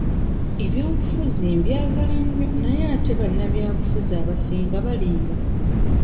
Ebyobufuzi mbyagala nnyo naye ate bannabyabufuzi abasinga balimba.